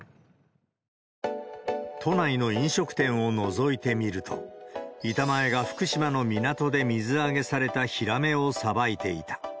都内の飲食店をのぞいてみると、板前が福島の港で水揚げされたヒラメをさばいていた。